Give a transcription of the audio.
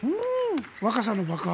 若さの爆発。